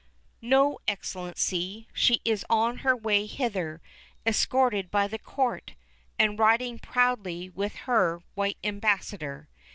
"No, Excellency, she is on her way hither, escorted by the Court, and riding proudly with her white ambassador.